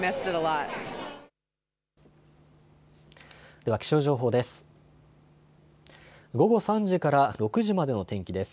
では気象情報です。